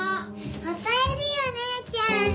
おかえりお姉ちゃん！